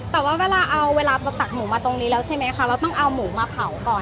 แต่ว่าเวลาเอาเวลาเราตักหมูมาตรงนี้แล้วใช่ไหมคะเราต้องเอาหมูมาเผาก่อน